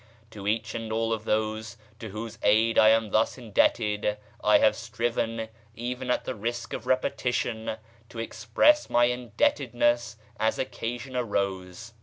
To each and all of those to whose aid I am thus indebted I have striven, even at the risk of repetition, to express my indebtedness as occasion arose.